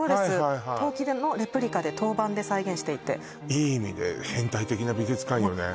陶器のレプリカで陶板で再現していていい意味でヘンタイ的な美術館よね